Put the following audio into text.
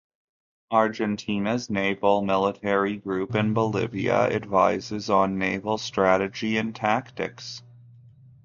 Argentina's Naval Military Group in Bolivia advises on naval strategy and tactics.